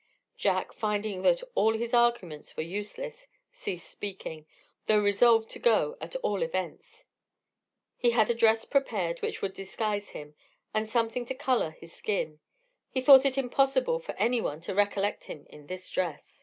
Jack, finding that all his arguments were useless, ceased speaking, though resolved to go at all events. He had a dress prepared which would disguise him, and something to colour his skin; he thought it impossible for any one to recollect him in this dress.